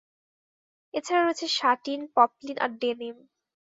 এ ছাড়া রয়েছে satin, poplin আর ডেনিম।